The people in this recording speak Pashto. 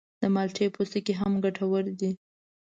د مالټې پوستکی هم ګټور دی.